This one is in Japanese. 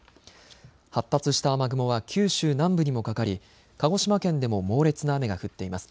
発達した雨雲は九州南部にもかかり鹿児島県でも猛烈な雨が降っています。